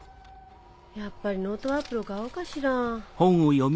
やっぱりノートワープロ買おうかしら。